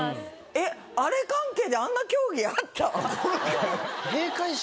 えっあれ関係であんな競技あった？